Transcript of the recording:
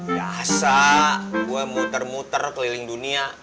ya asa gue muter muter keliling dunia